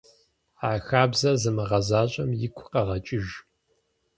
А хабзэр зымыгъэзащӀэм игу къэгъэкӀыж.